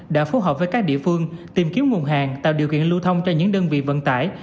đã phối hợp với các địa phương tìm kiếm nguồn hàng tạo điều kiện lưu thông cho những đơn vị vận tải